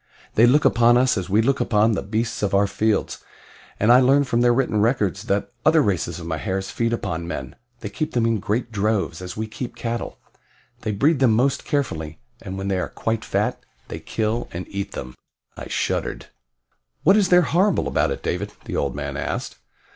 They look upon us as we look upon the beasts of our fields, and I learn from their written records that other races of Mahars feed upon men they keep them in great droves, as we keep cattle. They breed them most carefully, and when they are quite fat, they kill and eat them." I shuddered. "What is there horrible about it, David?" the old man asked.